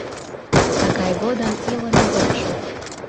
Тыгай годым илыме ок шу